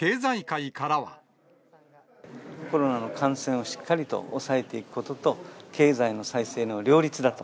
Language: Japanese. コロナの感染をしっかりと抑えていくことと、経済の再生の両立だと。